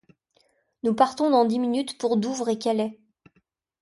Nous partons dans dix minutes pour Douvres et Calais.